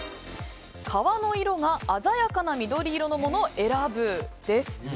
皮の色が鮮やかな緑色のものを選ぶです。